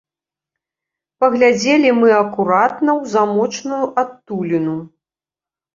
Паглядзелі мы акуратна ў замочную адтуліну.